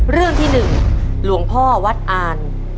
เรื่องที่๑หลวงพ่อวัดอ่าน